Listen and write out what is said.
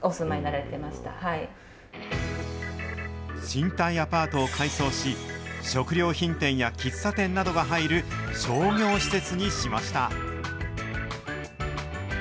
賃貸アパートを改装し、食料品店や喫茶店などが入る商業施設にしました。